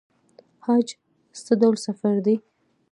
حج څه ډول سفر دی؟